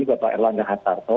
bapak erlangga hatarto